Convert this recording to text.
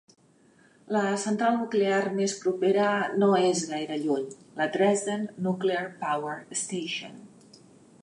La central nuclear més propera no és gaire lluny, la Dresden Nuclear Power Station.